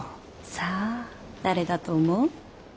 さあ誰だと思う？